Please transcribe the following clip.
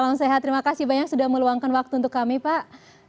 salam sehat terima kasih banyak sudah meluangkan waktu untuk kami pak